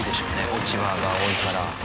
落ち葉が多いから。